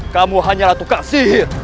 kamu hanyalah tukang sihir